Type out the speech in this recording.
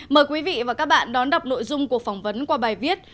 mời quý vị và các bạn đón đọc nội dung cuộc phỏng vấn qua bài viết